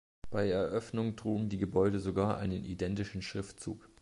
Bei Eröffnung trugen die Gebäude sogar einen identischen Schriftzug.